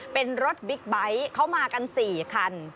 เป็นรถบิ๊กไบท์เขามากัน๔คัน